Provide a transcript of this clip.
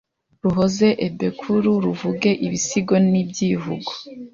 ruhoze ebekuru, ruvuge ibisigo n’ibyivugo